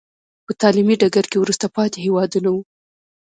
په تعلیمي ډګر کې وروسته پاتې هېوادونه وو.